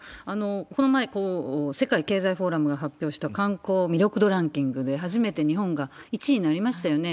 この前、世界経済フォーラムが発表した観光魅力度ランキングで、初めて日本が１位になりましたよね。